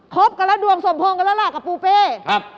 บกันแล้วดวงสมพงษ์กันแล้วล่ะกับปูเป้ครับ